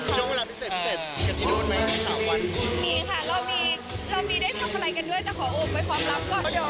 ช่วงเวลาพิเศษกับที่โน้นไหม